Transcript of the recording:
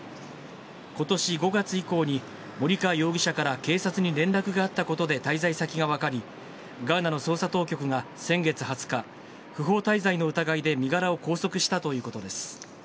ことし５月以降に森川容疑者から警察に連絡があったことで滞在先が分かり、ガーナの捜査当局が先月２０日、不法滞在の疑いで身柄を拘束したということです。